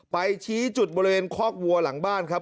ชี้จุดบริเวณคอกวัวหลังบ้านครับ